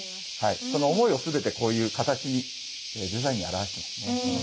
その思いを全てこういう形にデザインに表してますね。